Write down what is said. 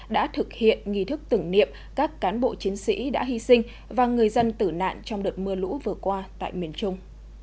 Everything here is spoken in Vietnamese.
đã thực hiện nghi thức tưởng niệm các cán bộ chiến sĩ đã hy sinh và người dân tử nạn trong đợt mưa lũ vừa qua tại miền trung